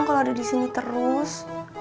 kalo ada disini terus